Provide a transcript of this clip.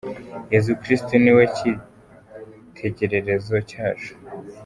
Yesu Kristo ni we cyitegererezo cyacu.